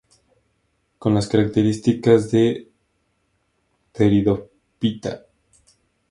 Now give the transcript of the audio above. Con las características de Pteridophyta.